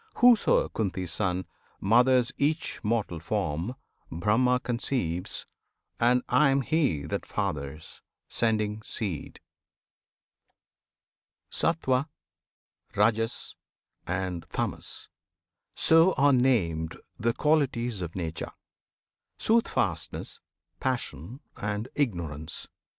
Whoso, Kunti's Son! Mothers each mortal form, Brahma conceives, And I am He that fathers, sending seed! Sattwan, Rajas, and Tamas, so are named The qualities of Nature, "Soothfastness," "Passion," and "Ignorance."